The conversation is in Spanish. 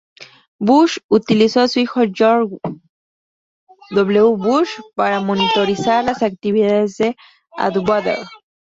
Bush utilizó a su hijo George W. Bush para monitorizar las actividades de Atwater.